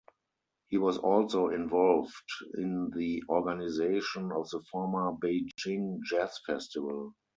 He was also involved in the organization of the former Beijing Jazz Festival.